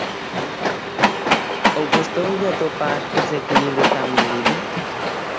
Ou custoulle atopar ese equilibrio tan medido?